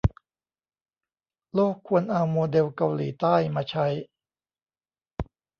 โลกควรเอาโมเดลเกาหลีใต้มาใช้